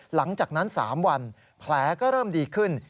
หลังจากนั้น๓วันแผลก็เริ่มดีขึ้น